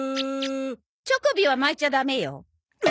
チョコビは巻いちゃダメよ。